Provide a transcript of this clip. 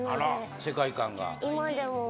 世界観が。